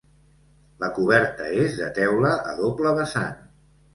La coberta és de teula a doble vessant.